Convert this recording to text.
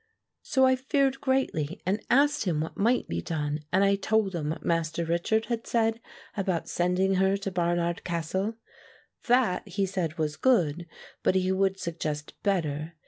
"So I feared greatly and asked him what might be done and I told him what Master Richard had said about sending her to Barnard Castle. That, he said, was good, but he would suggest better.